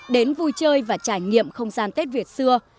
đến vui chơi và trải nghiệm không gian tết việt xưa